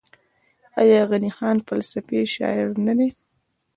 آیا غني خان فلسفي شاعر نه دی؟